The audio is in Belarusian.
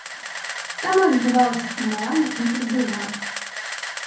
Там і адбывалася фармаванне інтэрбрыгад.